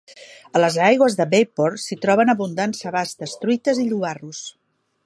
A les aigües de Bayport s'hi troben abundants sebastes, truites i llobarros.